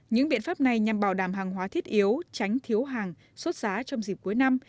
những biện pháp này nhằm bảo đảm hàng hóa thiết yếu tránh thiếu hàng sốt giá trong dịp cuối năm